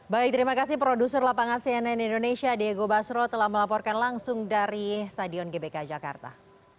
baik terima kasih produser lapangan cnn indonesia diego basro telah melaporkan langsung dari stadion gbk jakarta